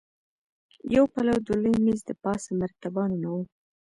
يو پلو د لوی مېز دپاسه مرتبانونه وو.